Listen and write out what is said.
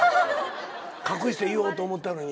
隠して言おうと思ったのに。